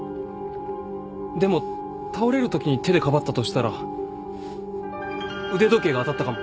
でも倒れるときに手でかばったとしたら腕時計が当たったかも。